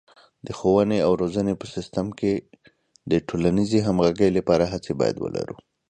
د ښوونې او روزنې په سیستم کې د ټولنیزې همغږۍ لپاره هڅې باید ولرو.